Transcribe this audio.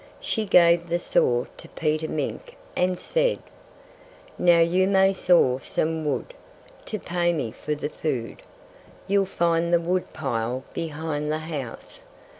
She gave the saw to Peter Mink and said: "Now you may saw some wood, to pay me for the food. You'll find the wood pile behind the house.